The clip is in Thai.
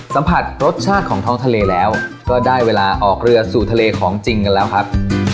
สัมผัสรสชาติของท้องทะเลแล้วก็ได้เวลาออกเรือสู่ทะเลของจริงกันแล้วครับ